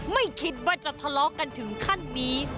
ไม่คิดว่าจะทะเลาะกันถึงขั้นนี้